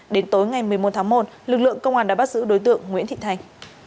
đến tối ngày một mươi một tháng một lực lượng công an đã bắt giữ đối tượng nguyễn thị thành